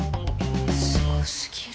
すごすぎる。